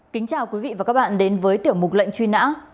kính chào quý vị và các bạn đến với tiểu mục lệnh truy nã